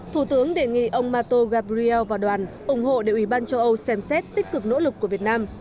thủ tướng đề nghị ông mato gabriel và đoàn ủng hộ để ủy ban châu âu xem xét tích cực nỗ lực của việt nam